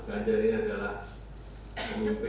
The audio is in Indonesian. ganjar ini adalah pemimpin